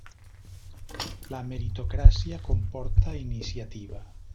La meritocràcia comporta iniciativa.